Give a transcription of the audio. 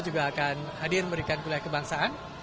juga akan hadir memberikan kuliah kebangsaan